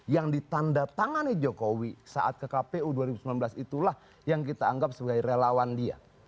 yang ditanda tangani jokowi saat ke kpu dua ribu sembilan belas itulah yang kita anggap sebagai relawan dia